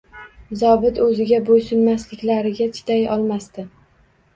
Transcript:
Zobit o`ziga bo`ysunmasliklariga chidayolmasdi